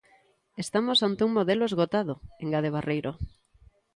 "Estamos ante un modelo esgotado", engade Barreiro.